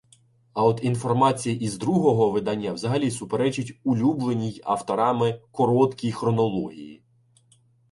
А от інформація із другого видання взагалі суперечить «улюбленій» авторами «короткій» хронології.